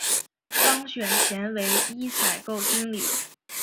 当选前为一采购经理。